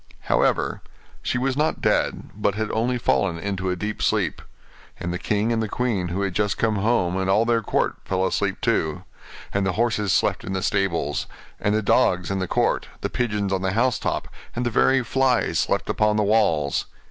However, she was not dead, but had only fallen into a deep sleep; and the king and the queen, who had just come home, and all their court, fell asleep too; and the horses slept in the stables, and the dogs in the court, the pigeons on the house top, and the very flies slept upon the walls.